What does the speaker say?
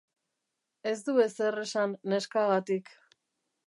Ez du ezer esan Neskagatik.